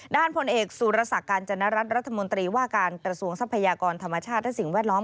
ด้านพลเอกสุรสักการณ์จนรัฐรัฐมนตรีว่าการประสวงทรัพยากรธรรมชาติด้านสิ่งแวดล้อม